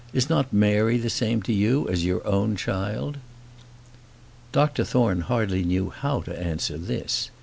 Is not Mary the same to you as your own child?" Dr Thorne hardly knew how to answer this.